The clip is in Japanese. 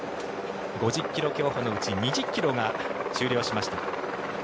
５０ｋｍ競歩のうち２０ｋｍが終了しました。